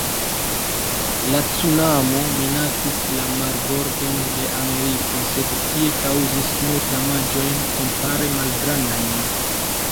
La cunamo minacis la marbordon de Ameriko, sed tie kaŭzis nur damaĝojn kompare malgrandajn.